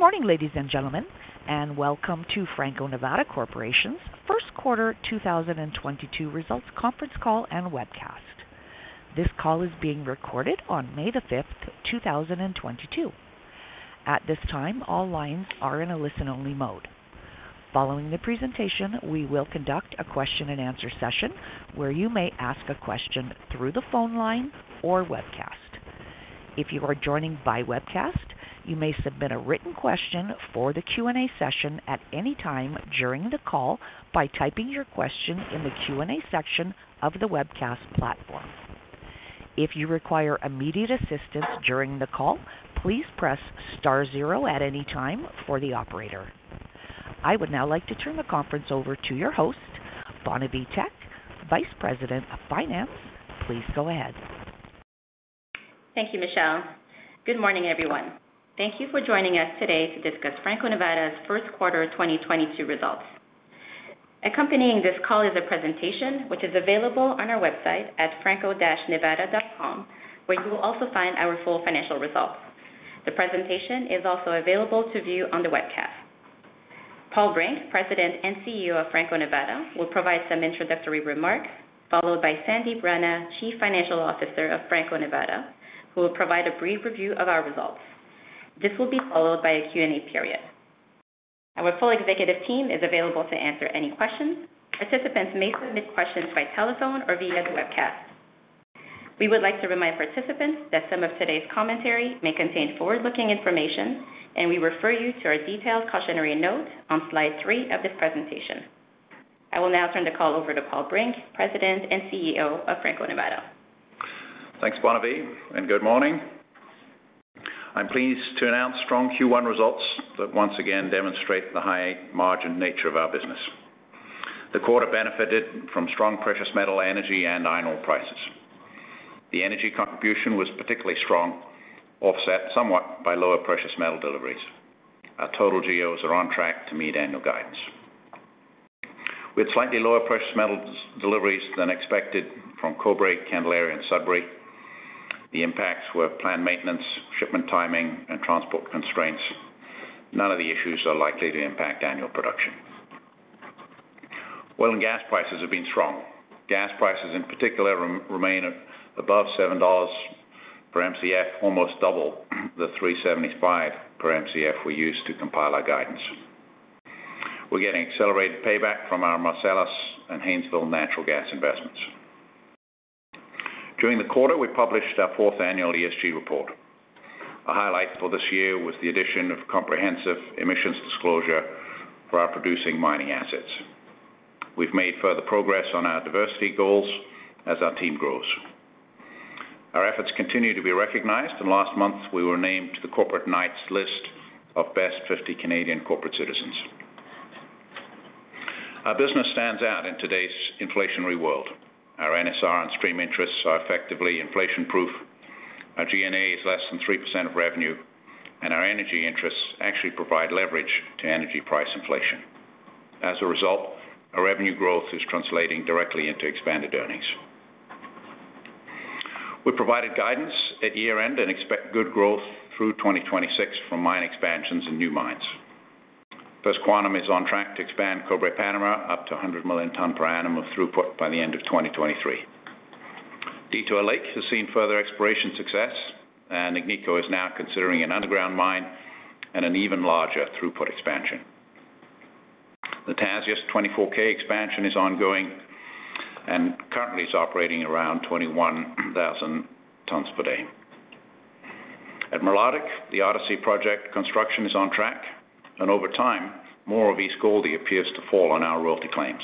Good morning, ladies and gentlemen, and welcome to Franco-Nevada Corporation's first quarter 2022 results conference call and webcast. This call is being recorded on May 5, 2022. At this time, all lines are in a listen-only mode. Following the presentation, we will conduct a question-and-answer session where you may ask a question through the phone line or webcast. If you are joining by webcast, you may submit a written question for the Q&A session at any time during the call by typing your question in the Q&A section of the webcast platform. If you require immediate assistance during the call, please press star zero at any time for the operator. I would now like to turn the conference over to your host, Bonavie Tek, Vice President of Finance. Please go ahead. Thank you, Michelle. Good morning, everyone. Thank you for joining us today to discuss Franco-Nevada's first quarter 2022 results. Accompanying this call is a presentation which is available on our website at franco-nevada.com, where you will also find our full financial results. The presentation is also available to view on the webcast. Paul Brink, President and CEO of Franco-Nevada, will provide some introductory remarks, followed by Sandip Rana, Chief Financial Officer of Franco-Nevada, who will provide a brief review of our results. This will be followed by a Q&A period. Our full executive team is available to answer any questions. Participants may submit questions by telephone or via the webcast. We would like to remind participants that some of today's commentary may contain forward-looking information, and we refer you to our detailed cautionary note on slide 3 of this presentation. I will now turn the call over to Paul Brink, President & CEO of Franco-Nevada. Thanks, Bonavie Tek. Good morning. I'm pleased to announce strong Q1 results that once again demonstrate the high margin nature of our business. The quarter benefited from strong precious metal, energy, and iron ore prices. The energy contribution was particularly strong, offset somewhat by lower precious metal deliveries. Our total GEOs are on track to meet annual guidance. With slightly lower precious metals deliveries than expected from Cobre, Candelaria, and Sudbury, the impacts were planned maintenance, shipment timing, and transport constraints. None of the issues are likely to impact annual production. Oil and gas prices have been strong. Gas prices, in particular, remain above $7 per Mcf, almost double the $3.75 per Mcf we used to compile our guidance. We're getting accelerated payback from our Marcellus and Haynesville natural gas investments. During the quarter, we published our fourth annual ESG report. A highlight for this year was the addition of comprehensive emissions disclosure for our producing mining assets. We've made further progress on our diversity goals as our team grows. Our efforts continue to be recognized, and last month, we were named to the Corporate Knights list of best 50 Canadian corporate citizens. Our business stands out in today's inflationary world. Our NSR and stream interests are effectively inflation-proof. Our G&A is less than 3% of revenue, and our energy interests actually provide leverage to energy price inflation. As a result, our revenue growth is translating directly into expanded earnings. We provided guidance at year-end and expect good growth through 2026 from mine expansions and new mines. First Quantum is on track to expand Cobre Panama up to 100 million ton per annum of throughput by the end of 2023. Detour Lake has seen further exploration success, and Agnico is now considering an underground mine and an even larger throughput expansion. The Tasiast '24K expansion is ongoing and currently is operating around 21,000 tons per day. At Malartic, the Odyssey project construction is on track, and over time, more of East Gouldie appears to fall on our royalty claims.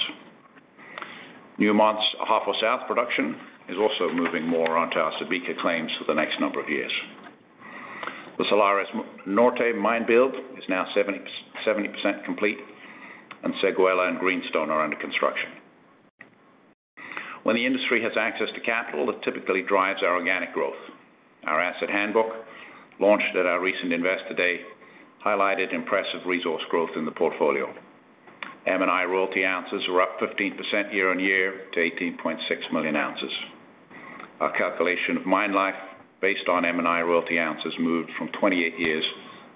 Newmont's Ahafo South production is also moving more onto our Subika claims for the next number of years. The Salares Norte mine build is now 70% complete, and Seguela and Greenstone are under construction. When the industry has access to capital, it typically drives our organic growth. Our asset handbook, launched at our recent Investor Day, highlighted impressive resource growth in the portfolio. M&I royalty ounces were up 15% year-over-year to 18.6 million ounces. Our calculation of mine life, based on M&I royalty ounces, moved from 28 years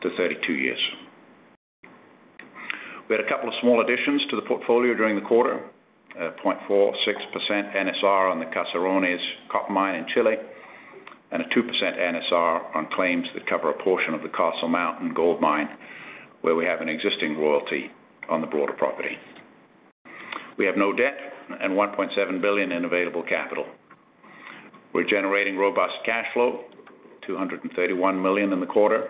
to 32 years. We had a couple of small additions to the portfolio during the quarter, a 0.46% NSR on the Caserones copper mine in Chile, and a 2% NSR on claims that cover a portion of the Castle Mountain gold mine, where we have an existing royalty on the border property. We have no debt and $1.7 billion in available capital. We're generating robust cash flow, $231 million in the quarter.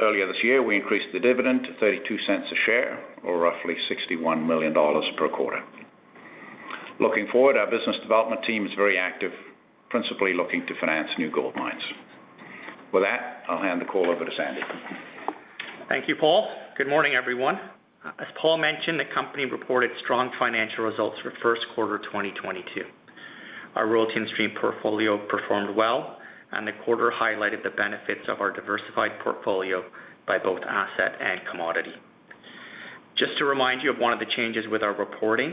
Earlier this year, we increased the dividend to $0.32 a share, or roughly $61 million per quarter. Looking forward, our business development team is very active, principally looking to finance new gold mines. With that, I'll hand the call over to Sandip. Thank you, Paul. Good morning, everyone. As Paul mentioned, the company reported strong financial results for Q1 2022. Our royalty and stream portfolio performed well, and the quarter highlighted the benefits of our diversified portfolio by both asset and commodity. Just to remind you of one of the changes with our reporting.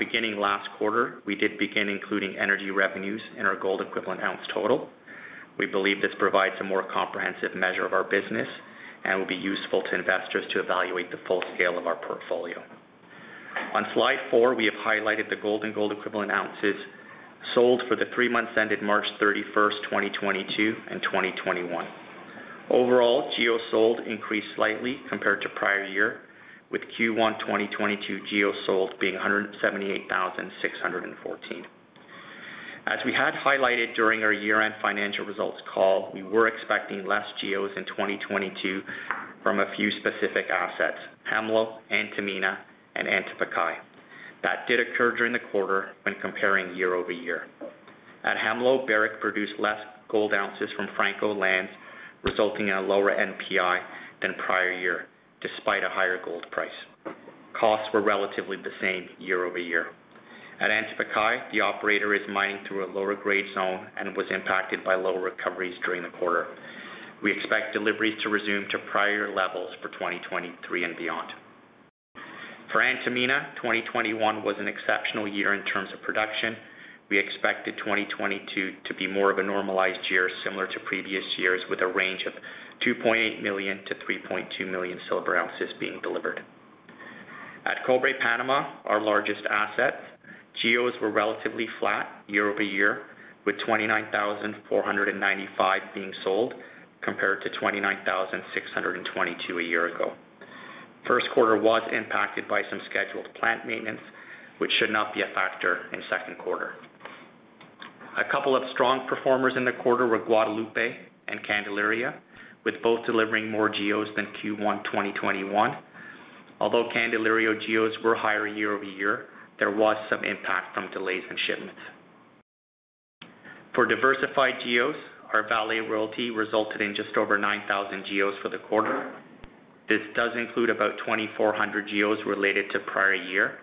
Beginning last quarter, we did begin including energy revenues in our gold equivalent ounce total. We believe this provides a more comprehensive measure of our business and will be useful to investors to evaluate the full scale of our portfolio. On Slide 4, we have highlighted the gold and gold equivalent ounces sold for the three months ended March 31, 2022 and 2021. Overall, GEOs sold increased slightly compared to prior year, with Q1 2022 GEOs sold being 178,614. As we had highlighted during our year-end financial results call, we were expecting less GEOs in 2022 from a few specific assets, Hemlo, Antamina, and Antamina. That did occur during the quarter when comparing year-over-year. At Hemlo, Barrick produced less gold ounces from Franco lands, resulting in a lower NPI than prior year, despite a higher gold price. Costs were relatively the same year-over-year. At Antamina, the operator is mining through a lower grade zone and was impacted by lower recoveries during the quarter. We expect deliveries to resume to prior levels for 2023 and beyond. For Antamina, 2021 was an exceptional year in terms of production. We expected 2022 to be more of a normalized year similar to previous years, with a range of 2.8 million to 3.2 million silver ounces being delivered. At Cobre Panama, our largest asset, GEOs were relatively flat year-over-year, with 29,495 being sold compared to 29,622 a year ago. First quarter was impacted by some scheduled plant maintenance, which should not be a factor in second quarter. A couple of strong performers in the quarter were Guadalupe and Candelaria, with both delivering more GEOs than Q1 2021. Although Candelaria GEOs were higher year-over-year, there was some impact from delays in shipments. For diversified GEOs, our Vale royalty resulted in just over 9,000 GEOs for the quarter. This does include about 2,400 GEOs related to prior year.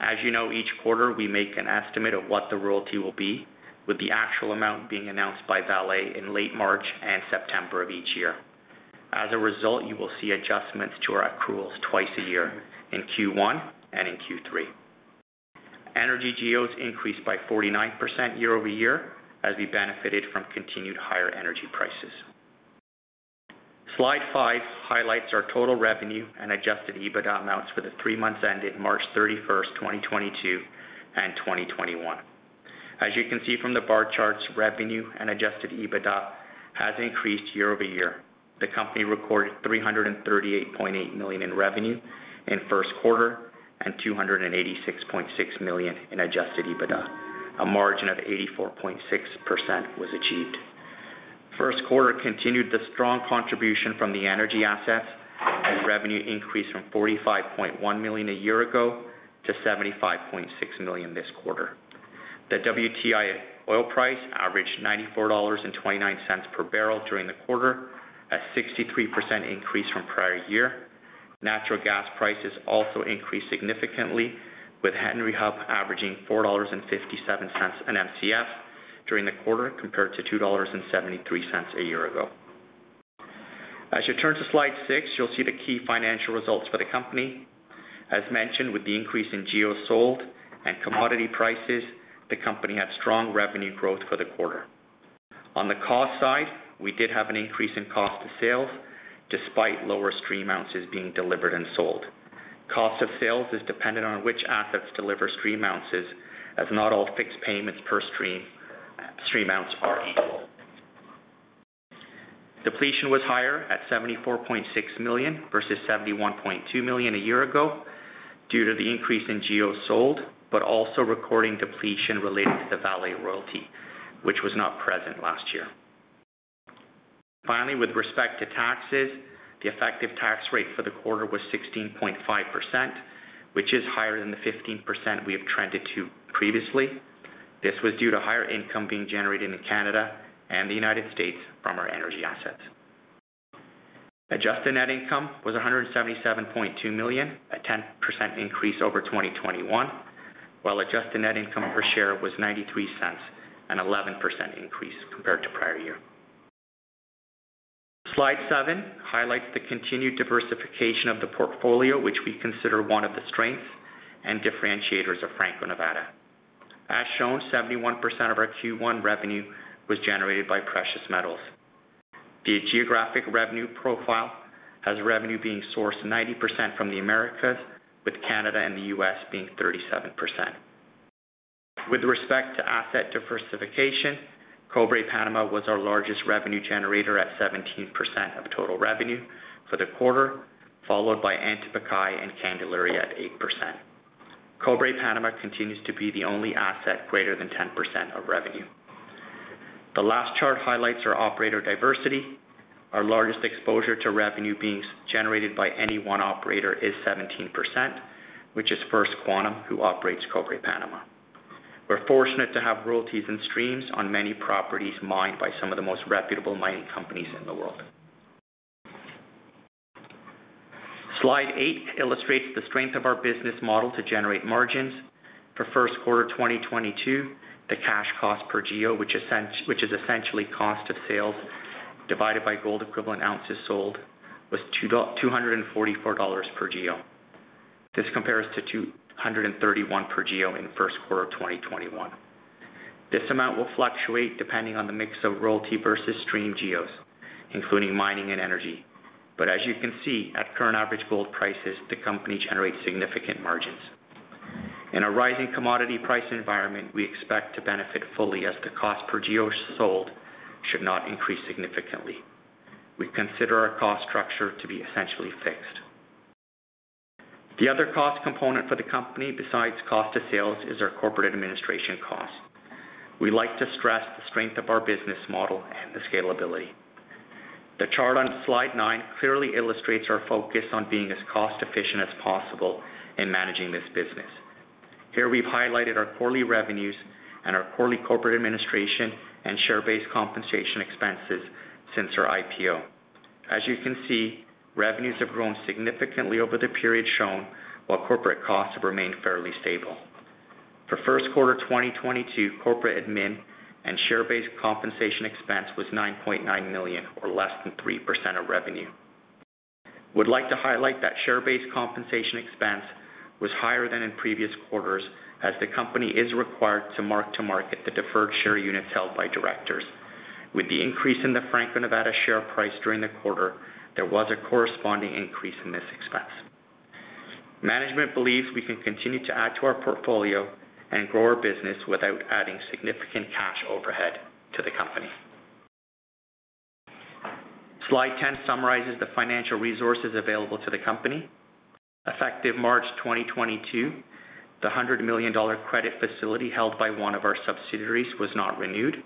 As you know, each quarter we make an estimate of what the royalty will be, with the actual amount being announced by Vale in late March and September of each year. As a result, you will see adjustments to our accruals twice a year in Q1 and in Q3. Energy GEOs increased by 49% year-over-year as we benefited from continued higher energy prices. Slide 5 highlights our total revenue and adjusted EBITDA amounts for the three months ended March 31, 2022 and 2021. As you can see from the bar charts, revenue and adjusted EBITDA has increased year-over-year. The company recorded $338.8 million in revenue in first quarter and $286.6 million in adjusted EBITDA. A margin of 84.6% was achieved. First quarter continued the strong contribution from the energy assets and revenue increased from $45.1 million a year ago to $75.6 million this quarter. The WTI oil price averaged $94.29 per barrel during the quarter, a 63% increase from prior year. Natural gas prices also increased significantly, with Henry Hub averaging $4.57 an Mcf during the quarter, compared to $2.73 a year ago. As you turn to slide 6, you'll see the key financial results for the company. As mentioned, with the increase in GEOs sold and commodity prices, the company had strong revenue growth for the quarter. On the cost side, we did have an increase in cost to sales despite lower stream ounces being delivered and sold. Cost of sales is dependent on which assets deliver stream ounces, as not all fixed payments per stream ounce are equal. Depletion was higher at $74.6 million versus $71.2 million a year ago due to the increase in GEOs sold, but also recording depletion related to the Vale royalty, which was not present last year. Finally, with respect to taxes, the effective tax rate for the quarter was 16.5%, which is higher than the 15% we have trended to previously. This was due to higher income being generated in Canada and the United States from our energy assets. Adjusted net income was $177.2 million, a 10% increase over 2021, while adjusted net income per share was $0.93, an 11% increase compared to prior year. Slide 7 highlights the continued diversification of the portfolio, which we consider one of the strengths and differentiators of Franco-Nevada. As shown, 71% of our Q1 revenue was generated by precious metals. The geographic revenue profile has revenue being sourced 90% from the Americas, with Canada and the U.S. being 37%. With respect to asset diversification, Cobre Panama was our largest revenue generator at 17% of total revenue for the quarter, followed by Antapaccay and Candelaria at 8%. Cobre Panama continues to be the only asset greater than 10% of revenue. The last chart highlights our operator diversity. Our largest exposure to revenue being generated by any one operator is 17%, which is First Quantum, who operates Cobre Panama. We're fortunate to have royalties and streams on many properties mined by some of the most reputable mining companies in the world. Slide 8 illustrates the strength of our business model to generate margins. For first quarter 2022, the cash cost per GEO, which is essentially cost of sales divided by gold equivalent ounces sold, was $244 per GEO. This compares to $231 per GEO in the first quarter of 2021. This amount will fluctuate depending on the mix of royalty versus stream GEOs, including mining and energy. As you can see, at current average gold prices, the company generates significant margins. In a rising commodity price environment, we expect to benefit fully as the cost per GEOs sold should not increase significantly. We consider our cost structure to be essentially fixed. The other cost component for the company, besides cost of sales, is our corporate administration cost. We like to stress the strength of our business model and the scalability. The chart on slide 9 clearly illustrates our focus on being as cost efficient as possible in managing this business. Here, we've highlighted our quarterly revenues and our quarterly corporate administration and share-based compensation expenses since our IPO. As you can see, revenues have grown significantly over the period shown, while corporate costs have remained fairly stable. For first quarter 2022, corporate admin and share-based compensation expense was $9.9 million or less than 3% of revenue. We'd like to highlight that share-based compensation expense was higher than in previous quarters as the company is required to mark to market the deferred share units held by directors. With the increase in the Franco-Nevada share price during the quarter, there was a corresponding increase in this expense. Management believes we can continue to add to our portfolio and grow our business without adding significant cash overhead to the company. Slide 10 summarizes the financial resources available to the company. Effective March 2022, the $100 million credit facility held by one of our subsidiaries was not renewed.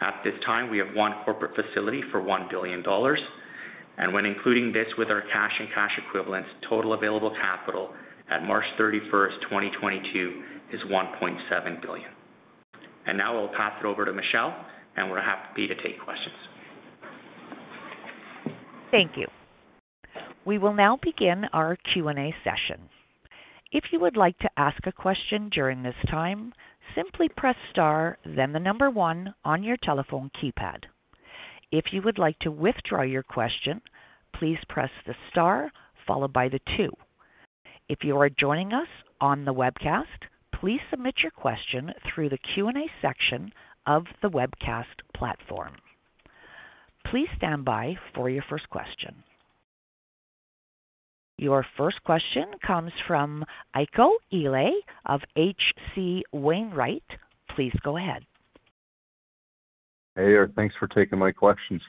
At this time, we have one corporate facility for $1 billion, and when including this with our cash and cash equivalents, total available capital at March 31, 2022 is $1.7 billion. Now I'll pass it over to Michelle, and we're happy to take questions. Thank you. We will now begin our Q&A session. If you would like to ask a question during this time, simply press star, then the number 1 on your telephone keypad. If you would like to withdraw your question, please press the star followed by the 2. If you are joining us on the webcast, please submit your question through the Q&A section of the webcast platform. Please stand by for your first question. Your first question comes from Heiko Ihle of H.C. Wainwright. Please go ahead. Hey, thanks for taking my questions.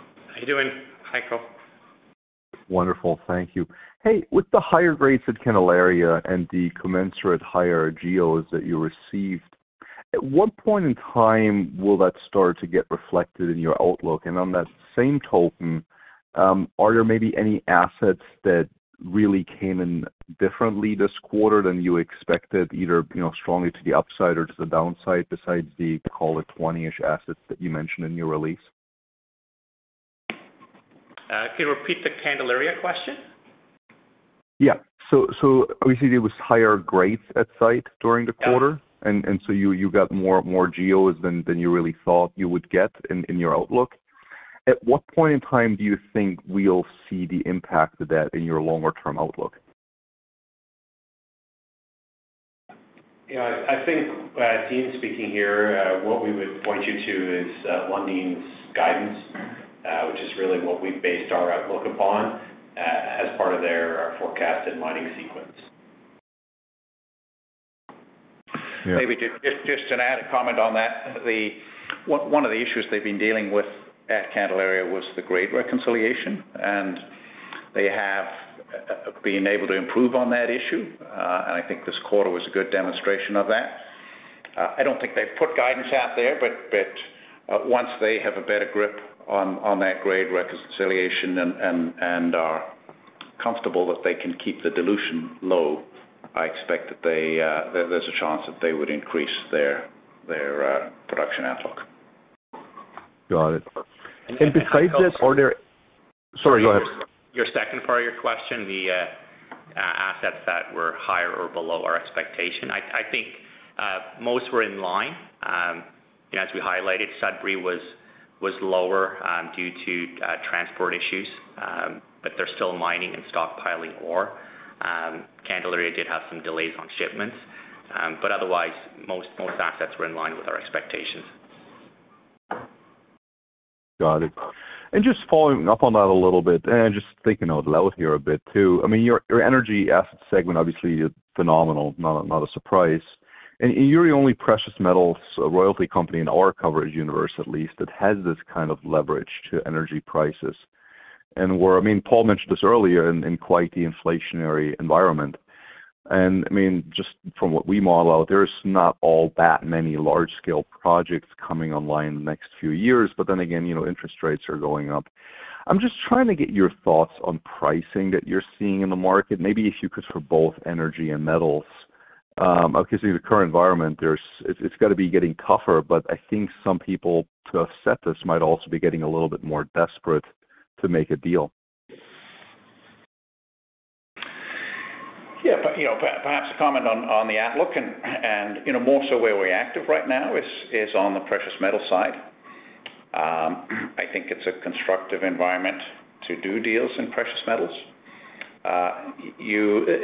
How are you doing, Heiko? Wonderful. Thank you. Hey, with the higher rates at Candelaria and the commensurate higher GEOs that you received, at what point in time will that start to get reflected in your outlook? On that same token, are there maybe any assets that really came in differently this quarter than you expected, either, you know, strongly to the upside or to the downside, besides the, call it 20-ish assets that you mentioned in your release? Can you repeat the Candelaria question? Obviously there was higher grades at site during the quarter. Yeah. You got more GEOs than you really thought you would get in your outlook. At what point in time do you think we'll see the impact of that in your longer term outlook? Yeah, I think Dean speaking here, what we would point you to is Lundin's guidance, which is really what we based our outlook upon as part of their forecast and mining sequence. Yeah. Maybe just to add a comment on that, one of the issues they've been dealing with at Candelaria was the grade reconciliation, and they have been able to improve on that issue. I think this quarter was a good demonstration of that. I don't think they've put guidance out there, but once they have a better grip on that grade reconciliation and are comfortable that they can keep the dilution low, I expect that they, there's a chance that they would increase their production outlook. Got it. Besides this. Heiko Ihle Sorry, go ahead. Your second part of your question, assets that were higher or below our expectation, I think most were in line. As we highlighted, Sudbury was lower due to transport issues, but they're still mining and stockpiling ore. Candelaria did have some delays on shipments, but otherwise, most assets were in line with our expectations. Got it. Just following up on that a little bit, just thinking out loud here a bit too. I mean, your energy asset segment, obviously, is phenomenal, not a surprise. You're the only precious metals royalty company in our coverage universe, at least, that has this kind of leverage to energy prices. Where, I mean, Paul mentioned this earlier, in quite the inflationary environment. I mean, just from what we model, there's not all that many large-scale projects coming online in the next few years. Then again, you know, interest rates are going up. I'm just trying to get your thoughts on pricing that you're seeing in the market. Maybe if you could for both energy and metals, obviously, the current environment, it's got to be getting tougher, but I think some people to offset this might also be getting a little bit more desperate to make a deal. Yeah, you know, perhaps a comment on the outlook and, you know, more so where we're active right now is on the precious metal side. I think it's a constructive environment to do deals in precious metals.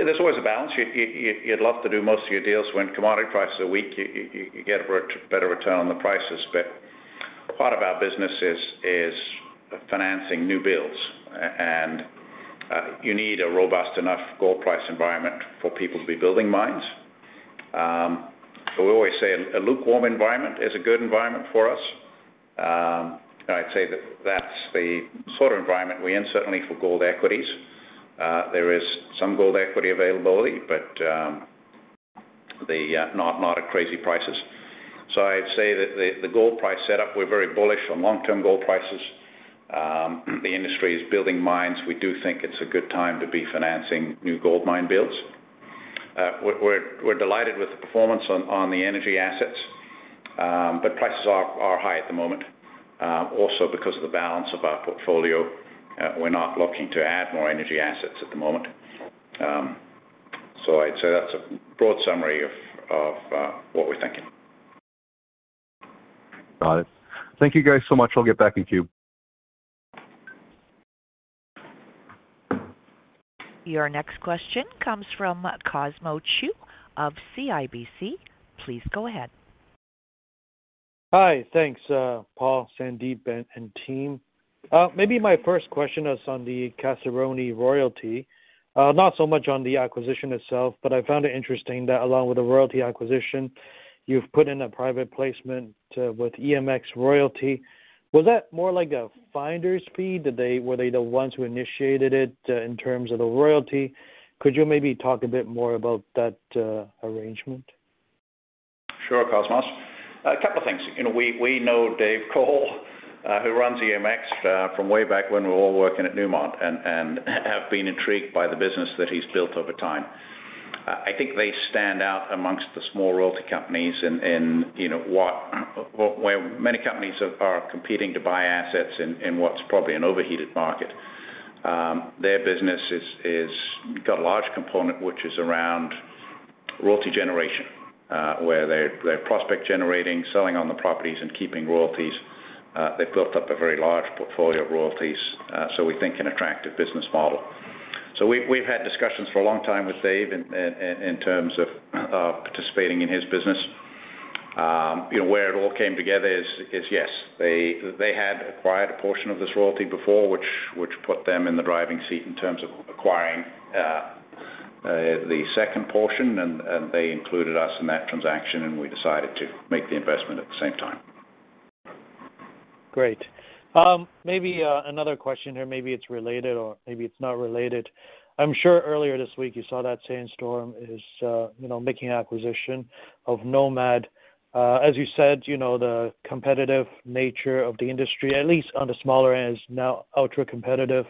There's always a balance. You'd love to do most of your deals when commodity prices are weak. You get a better return on the prices. Part of our business is financing new builds. You need a robust enough gold price environment for people to be building mines. We always say a lukewarm environment is a good environment for us. I'd say that's the sort of environment we're in, certainly for gold equities. There is some gold equity availability, but not at crazy prices. I'd say that the gold price set up, we're very bullish on long-term gold prices. The industry is building mines. We do think it's a good time to be financing new gold mine builds. We're delighted with the performance on the energy assets, but prices are high at the moment. Also because of the balance of our portfolio, we're not looking to add more energy assets at the moment. I'd say that's a broad summary of what we're thinking. Got it. Thank you guys so much. I'll get back in queue. Your next question comes from Cosmos Chiu of CIBC. Please go ahead. Hi. Thanks, Paul, Sandip, and team. Maybe my first question is on the Caserones royalty, not so much on the acquisition itself, but I found it interesting that along with the royalty acquisition, you've put in a private placement with EMX Royalty. Was that more like a finder's fee? Were they the ones who initiated it, in terms of the royalty? Could you maybe talk a bit more about that arrangement? Sure, Cosmos. A couple of things. You know, we know Dave Cole, who runs EMX, from way back when we were all working at Newmont and have been intrigued by the business that he's built over time. I think they stand out amongst the small royalty companies in, you know, where many companies are competing to buy assets in what's probably an overheated market. Their business is got a large component which is around royalty generation, where they're prospect generating, selling on the properties and keeping royalties. They've built up a very large portfolio of royalties, so we think an attractive business model. We've had discussions for a long time with Dave in terms of participating in his business. You know, where it all came together is yes, they had acquired a portion of this royalty before, which put them in the driving seat in terms of acquiring the second portion, and they included us in that transaction and we decided to make the investment at the same time. Great. Maybe another question here, maybe it's related or maybe it's not related. I'm sure earlier this week you saw that Sandstorm is, you know, making an acquisition of Nomad. As you said, you know, the competitive nature of the industry, at least on the smaller end, is now ultra-competitive.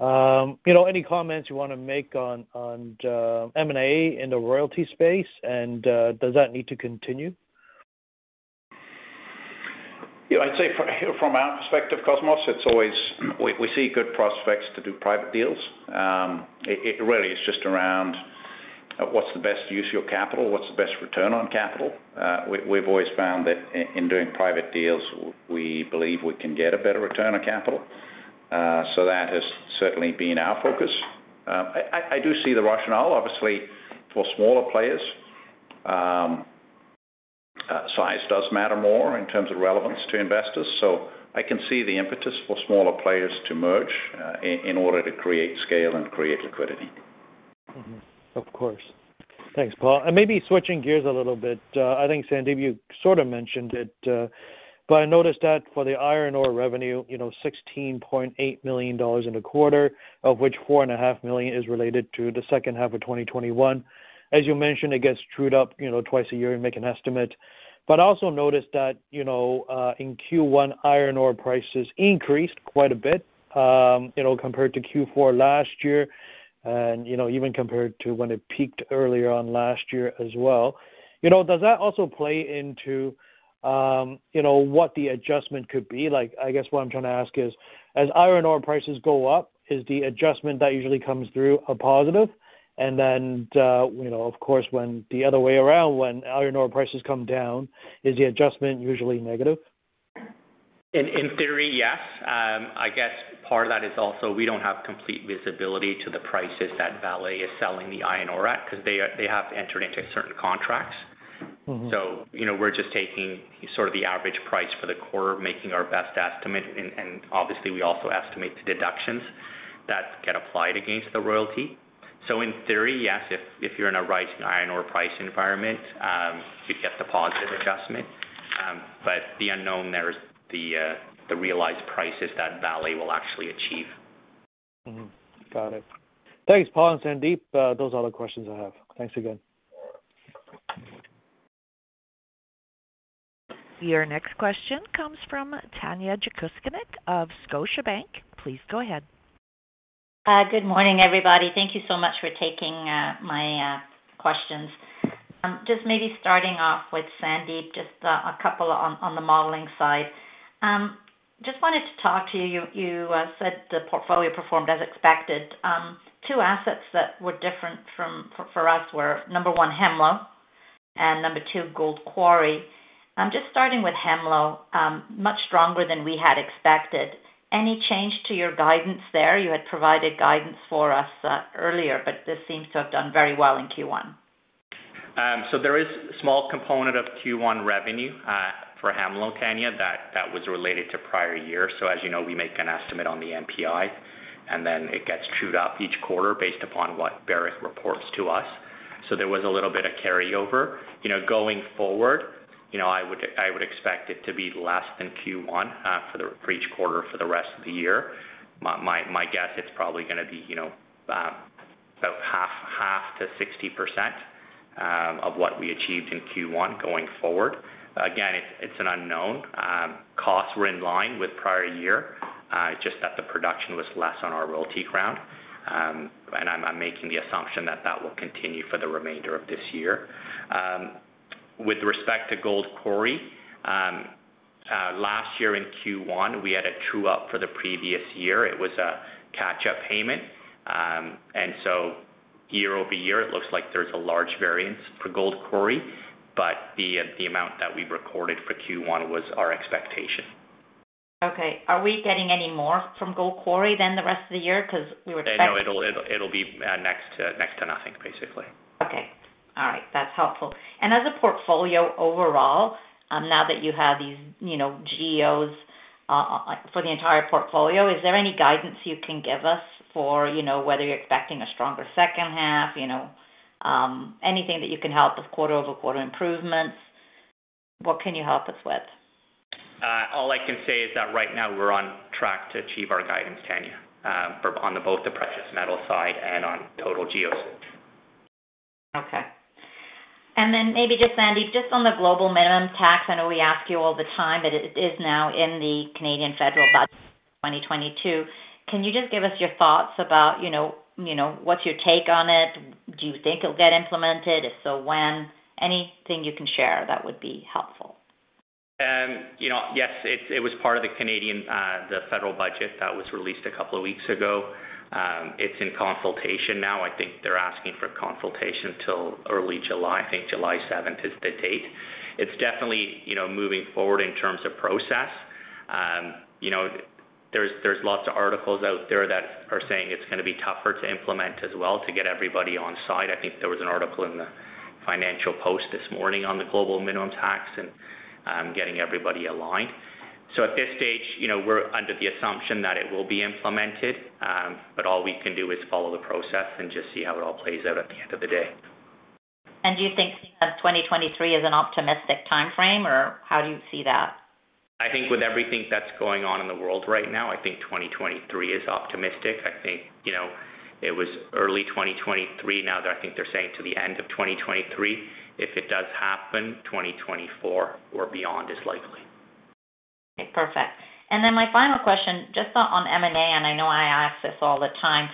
You know, any comments you wanna make on M&A in the royalty space, and does that need to continue? Yeah, I'd say from our perspective, Cosmos, it's always. We see good prospects to do private deals. It really is just around what's the best use of your capital? What's the best return on capital? We've always found that in doing private deals, we believe we can get a better return on capital. So that has certainly been our focus. I do see the rationale, obviously, for smaller players. Size does matter more in terms of relevance to investors, so I can see the impetus for smaller players to merge in order to create scale and create liquidity. Of course. Thanks, Paul. Maybe switching gears a little bit, I think, Sandip, you sort of mentioned it, but I noticed that for the iron ore revenue, you know, $16.8 million in the quarter, of which $4.5 million is related to the second half of 2021. As you mentioned, it gets trued up, you know, twice a year and make an estimate. I also noticed that, you know, in Q1, iron ore prices increased quite a bit, you know, compared to Q4 last year and, you know, even compared to when it peaked earlier on last year as well. You know, does that also play into, you know, what the adjustment could be? Like, I guess what I'm trying to ask is, as iron ore prices go up, is the adjustment that usually comes through a positive? And then, you know, of course, when the other way around, when iron ore prices come down, is the adjustment usually negative? In theory, yes. I guess part of that is also we don't have complete visibility to the prices that Vale is selling the iron ore at, 'cause they have entered into certain contracts. Mm-hmm. You know, we're just taking sort of the average price for the quarter, making our best estimate, and obviously we also estimate the deductions that get applied against the royalty. In theory, yes, if you're in a rising iron ore price environment, you'd get the positive adjustment. The unknown there is the realized prices that Vale will actually achieve. Mm-hmm. Got it. Thanks, Paul and Sandip. Those are the questions I have. Thanks again. Your next question comes from Tanya Jakusconek of Scotiabank. Please go ahead. Good morning, everybody. Thank you so much for taking my question. Just maybe starting off with Sandip, just a couple on the modeling side. Just wanted to talk to you. You said the portfolio performed as expected. Two assets that were different for us were number one, Hemlo, and number two, Gold Quarry. Just starting with Hemlo, much stronger than we had expected. Any change to your guidance there? You had provided guidance for us earlier, but this seems to have done very well in Q1. There is a small component of Q1 revenue for Hemlo, Tanya, that was related to prior year. As you know, we make an estimate on the NPI, and then it gets trued up each quarter based upon what Barrick reports to us. There was a little bit of carryover. You know, going forward, you know, I would expect it to be less than Q1 for each quarter for the rest of the year. My guess it's probably gonna be, you know, about half to 60% of what we achieved in Q1 going forward. Again, it's an unknown. Costs were in line with prior year, just that the production was less on our royalty ground. I'm making the assumption that that will continue for the remainder of this year. With respect to Gold Quarry, last year in Q1, we had a true-up for the previous year. It was a catch-up payment. Year-over-year, it looks like there's a large variance for Gold Quarry, but the amount that we recorded for Q1 was our expectation. Okay. Are we getting any more from Gold Quarry than the rest of the year? Because we were expecting. No, it'll be next to nothing, basically. Okay. All right. That's helpful. As a portfolio overall, now that you have these, you know, GEOs, like for the entire portfolio, is there any guidance you can give us for, you know, whether you're expecting a stronger second half, you know, anything that you can help with quarter-over-quarter improvements? What can you help us with? All I can say is that right now we're on track to achieve our guidance, Tanya, for both the precious metals side and the total GEOs. Okay. Maybe just, Sandip, just on the global minimum tax, I know we ask you all the time, but it is now in the Canadian federal budget 2022. Can you just give us your thoughts about, you know, you know, what's your take on it? Do you think it'll get implemented? If so, when? Anything you can share, that would be helpful. You know, yes, it was part of the Canadian, the federal budget that was released a couple of weeks ago. It's in consultation now. I think they're asking for consultation till early July. I think July seventh is the date. It's definitely, you know, moving forward in terms of process. You know, there's lots of articles out there that are saying it's gonna be tougher to implement as well to get everybody on side. I think there was an article in the Financial Post this morning on the global minimum tax and, getting everybody aligned. At this stage, you know, we're under the assumption that it will be implemented, but all we can do is follow the process and just see how it all plays out at the end of the day. Do you think seeing that 2023 is an optimistic timeframe, or how do you see that? I think with everything that's going on in the world right now, I think 2023 is optimistic. I think, you know, it was early 2023. Now I think they're saying to the end of 2023. If it does happen, 2024 or beyond is likely. Okay, perfect. My final question, just on M&A, and I know I ask this all the time.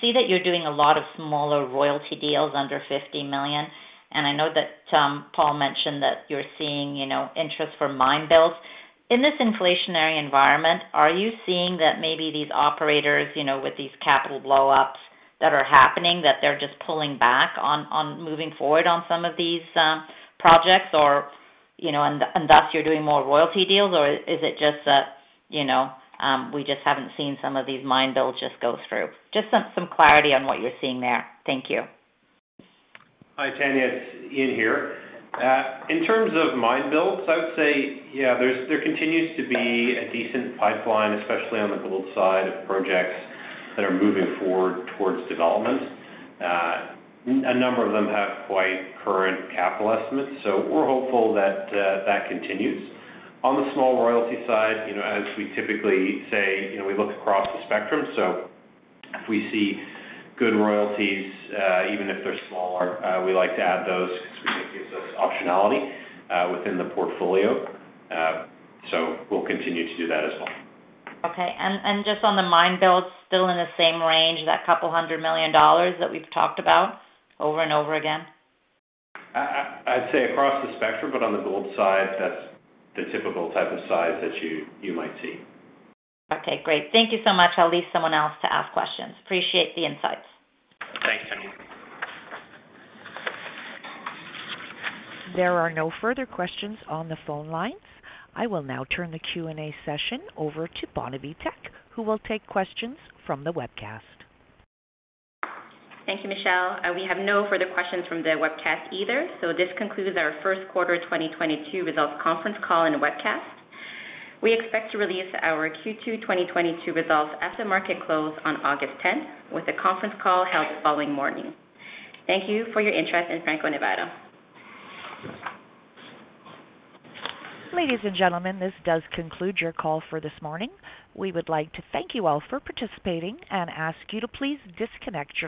See that you're doing a lot of smaller royalty deals under $50 million, and I know that Paul mentioned that you're seeing, you know, interest for mine builds. In this inflationary environment, are you seeing that maybe these operators, you know, with these capital blow-ups that are happening, that they're just pulling back on moving forward on some of these projects or, you know, and thus you're doing more royalty deals or is it just that, you know, we just haven't seen some of these mine builds just go through? Just some clarity on what you're seeing there. Thank you. Hi, Tanya. It's Euan here. In terms of mine builds, I would say, yeah, there continues to be a decent pipeline, especially on the gold side of projects that are moving forward towards development. A number of them have quite current capital estimates, so we're hopeful that that continues. On the small royalty side, you know, as we typically say, you know, we look across the spectrum. If we see good royalties, even if they're smaller, we like to add those because we think there's some optionality within the portfolio. We'll continue to do that as well. Okay. Just on the mine builds, still in the same range, that $200 million that we've talked about over and over again? I'd say across the spectrum, but on the gold side, that's the typical type of size that you might see. Okay, great. Thank you so much. I'll leave someone else to ask questions. Appreciate the insights. Thanks, Tanya. There are no further questions on the phone lines. I will now turn the Q&A session over to Bonavie Tek, who will take questions from the webcast. Thank you, Michelle. We have no further questions from the webcast either. This concludes our first quarter 2022 results conference call and webcast. We expect to release our Q2 2022 results at the market close on August 10th, with a conference call held the following morning. Thank you for your interest in Franco-Nevada. Ladies and gentlemen, this does conclude your call for this morning. We would like to thank you all for participating and ask you to please disconnect your lines.